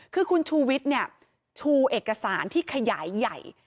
คือคุณชูวิทย์เนี่ยชูเอกสารที่ขยายใหญ่